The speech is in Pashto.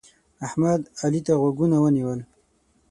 احمد؛ علي ته غوږونه ونیول.